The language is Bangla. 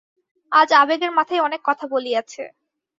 আজ আবেগের মাথায় অনেক কথা বলিয়াছে।